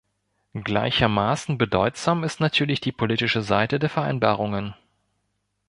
Gleichermaßen bedeutsam ist natürlich die politische Seite der Vereinbarungen.